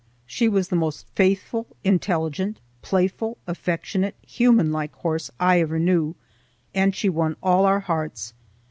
She was the most faithful, intelligent, playful, affectionate, human like horse I ever knew, and she won all our hearts.